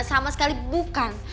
sama sekali bukan